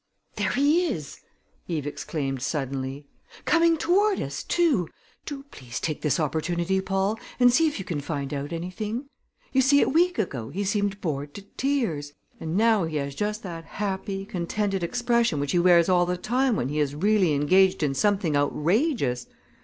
"There he is!" Eve exclaimed suddenly. "Coming toward us, too! Do please take this opportunity, Paul, and see if you can find out anything. You see, a week ago he seemed bored to tears, and now he has just that happy, contented expression which he wears all the time when he is really engaged in something outrageous.